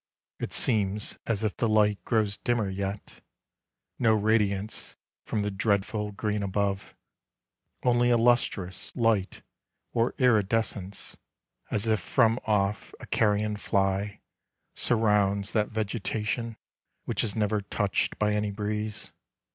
It seems as if the light grows dimmer yet — No radiance from the dreadful green above, 13 The End. Only a lustrous light or iridescence As if from off a carrion fly,— surrounds That vegetation which is never touched By any breeze.